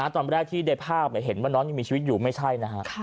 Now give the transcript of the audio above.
ตอนแรกที่ในภาพเห็นว่าน้องยังมีชีวิตอยู่ไม่ใช่นะฮะ